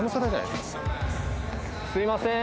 すいません。